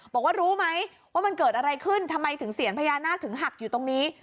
บอกว่ารู้ไหมว่ามันเกิดอะไรขึ้นทำไมถึงเสียนพญานาคถึงหักอยู่ตรงนี้